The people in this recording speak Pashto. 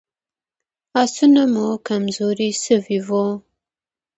آسونه مو کمزوري شوي وو.